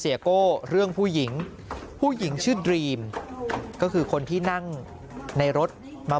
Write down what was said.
โก้เรื่องผู้หญิงผู้หญิงชื่อดรีมก็คือคนที่นั่งในรถมา